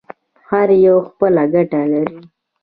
هر یو خپله ګټه لري.